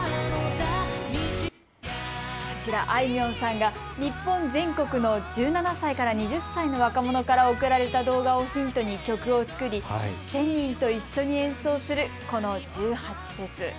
こちら、あいみょんさんが日本全国の１７歳から２０歳の若者から送られた動画をヒントに曲を作り１０００人と一緒に演奏するこの１８祭。